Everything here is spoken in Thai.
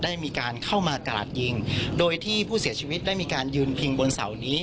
ได้มีการเข้ามากราดยิงโดยที่ผู้เสียชีวิตได้มีการยืนพิงบนเสานี้